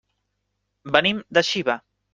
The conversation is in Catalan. Venim de Xiva.